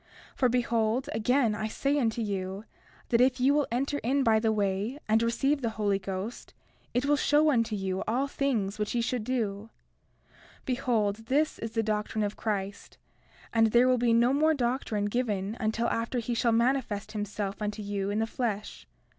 32:5 For behold, again I say unto you that if ye will enter in by the way, and receive the Holy Ghost, it will show unto you all things what ye should do. 32:6 Behold, this is the doctrine of Christ, and there will be no more doctrine given until after he shall manifest himself unto you in the flesh.